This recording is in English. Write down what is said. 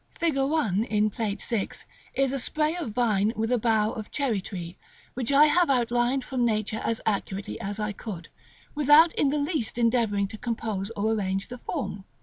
Fig. 1 in Plate VI. is a spray of vine with a bough of cherry tree, which I have outlined from nature as accurately as I could, without in the least endeavoring to compose or arrange the form.